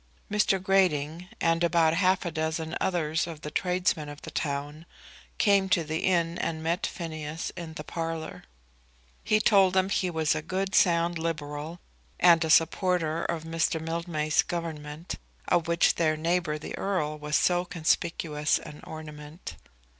Mr. Grating and about half a dozen others of the tradesmen of the town came to the inn, and met Phineas in the parlour. He told them he was a good sound Liberal and a supporter of Mr. Mildmay's Government, of which their neighbour the Earl was so conspicuous an ornament.